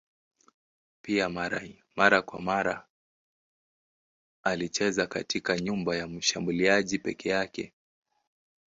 Pia mara kwa mara alicheza katikati nyuma ya mshambuliaji peke yake.